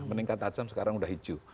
meningkat tajam sekarang sudah hijau